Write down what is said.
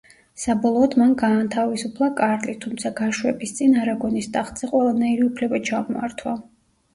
საბოლოოდ მან გაანთავისუფლა კარლი, თუმცა გაშვების წინ არაგონის ტახტზე ყველანაირი უფლება ჩამოართვა.